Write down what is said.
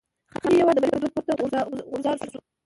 خاوند یې یو وار د بري په دود پورته غورځار شو.